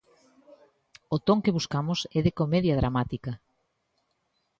O ton que buscamos é de comedia dramática.